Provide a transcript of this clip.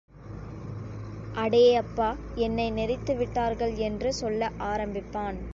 அடேயப்பா என்னை நெரித்து விட்டார்கள் என்று சொல்ல ஆரம்பிப்பான்.